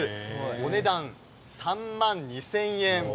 お値段３万２０００円。